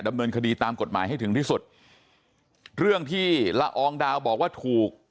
ดำเนินคดีตามกฎหมายให้ถึงที่สุดเรื่องที่ละอองดาวบอกว่าถูก